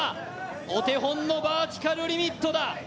お手本のバーティカルリミットだ。